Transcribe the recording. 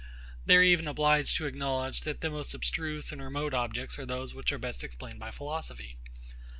They are even obliged to acknowledge, that the most abstruse and remote objects are those which are best explained by philosophy.